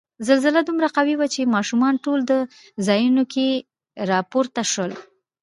زلزله دومره قوي وه چې ماشومان ټول په ځایونو کې را پورته شول.